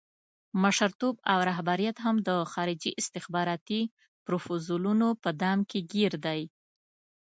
مشرتوب او رهبریت هم د خارجي استخباراتي پروفوزلونو په دام کې ګیر دی.